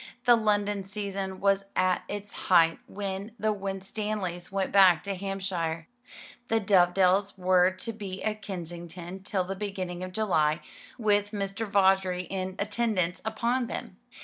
The London season was at its height when the Winstanleys went back to Hampshire. The Dovedales were to be at Kensington till the beginning of July, with Mr. Vawdrey in attendance upon them.